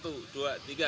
satu dua tiga